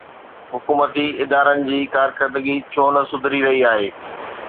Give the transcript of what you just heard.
حڪومتي ادارن جي ڪارڪردگي ڇو نه سڌري رهي آهي؟